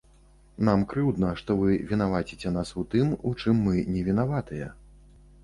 Нам крыўдна, што вы вінаваціце нас у тым, у чым мы не вінаватыя.